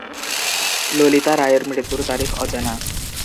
ললিতা রায়ের মৃত্যুর তারিখ অজানা।